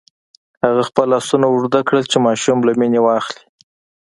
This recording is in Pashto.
هغه خپل لاسونه اوږده کړل چې ماشوم له مينې واخلي.